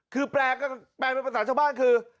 คือแปลเป็นภาษาชาวบ้านคือ